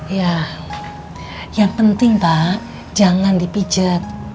ya yang penting pak jangan dipijat